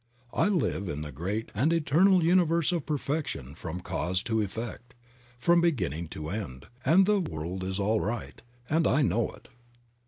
I live in the great and eternal universe of perfection from cause to effect, from beginning to end, and "The world's all right, and I know it."